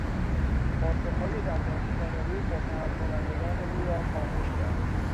پاسخهای دندان شکن او متهم کنندگان او را خاموش کرد.